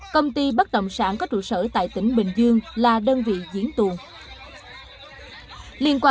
công ty bất động sản có trụ sở tại tỉnh bình dương là đơn vị diễn tuồng